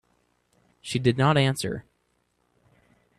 She did not answer.